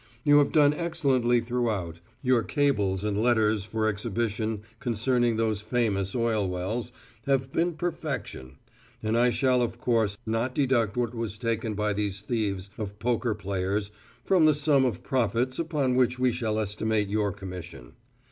You have done excellently throughout; your cables and letters for exhibition concerning those famous oil wells have been perfection; and I shall of course not deduct what was taken by these thieves of poker players from the sum of profits upon which we shall estimate your commission.